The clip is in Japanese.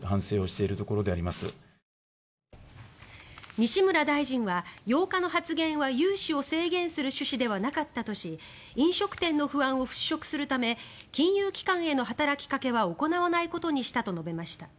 西村大臣は８日の発言は融資を制限する趣旨ではなかったとし飲食店の不安を払しょくするため金融機関への働きかけは行わないことにしたと述べました。